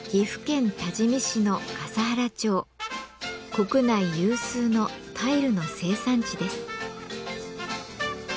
国内有数のタイルの生産地です。